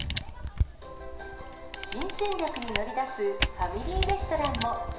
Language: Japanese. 新戦略に乗り出すファミリーレストランも。